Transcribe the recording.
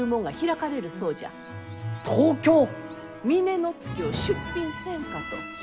峰乃月を出品せんかと。